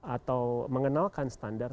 atau mengenalkan standar